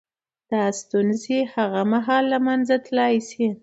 • دا ستونزې هغه مهال له منځه تلای شي.